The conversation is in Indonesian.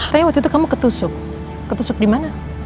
tapi waktu itu kamu ketusuk ketusuk di mana